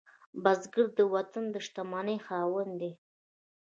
بزګر د وطن د شتمنۍ خاوند دی